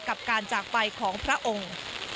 กับการจากไปของพระองค์